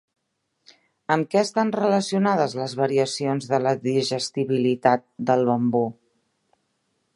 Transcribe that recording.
Amb què estan relacionades les variacions de la digestibilitat del bambú?